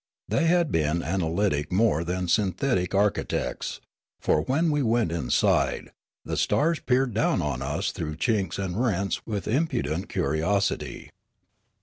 They had been analytic more than synthetic architects, for, when we went inside, the stars peered down on us through chinks and rents with impudent curiosit}'.